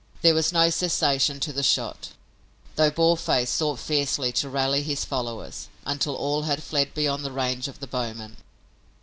There was no cessation to the shot, though Boarface sought fiercely to rally his followers, until all had fled beyond the range of the bowmen.